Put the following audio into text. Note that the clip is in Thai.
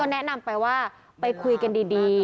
แนะนำไปว่าไปคุยกันดี